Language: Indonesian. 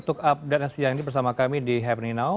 update nasional ini bersama kami di happening now